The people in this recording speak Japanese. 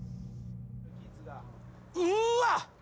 うわ！